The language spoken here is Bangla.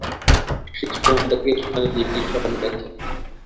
খ্রীষ্টের মত কৃষ্ণও নিজেকেই ঈশ্বর বলিয়াছেন।